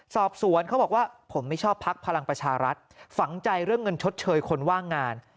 สอบสวนเขาบอกว่าผมไม่ชอบพักพลังประชารัฐฝังใจเรื่องเงินชดเชยคนว่างงาน